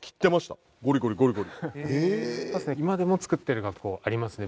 今でも作ってる学校ありますね